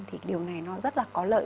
thì điều này nó rất là có lợi